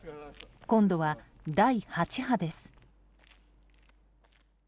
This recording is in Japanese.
今度は第８波です。